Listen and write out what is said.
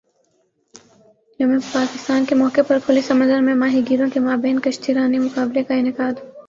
یوم پاکستان کے موقع پر کھلے سمندر میں ماہی گیروں کے مابین کشتی رانی مقابلے کا انعقاد